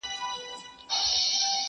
o په پای کي هر څه بې ځوابه پاتې کيږي,